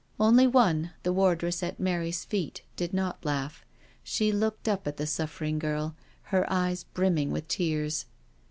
Only one, the wardress at Mary's feet, did not laugh; she looked up at the suffering girl, her eyes brinuning with tears.